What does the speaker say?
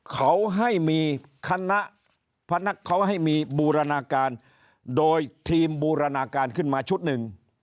เขาให้มีคณะเขาให้มีบูรณาการโดยทีมบูรณาการขึ้นมาชุดหนึ่ง